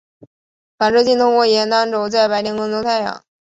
反射镜通过沿单轴在白天跟踪太阳。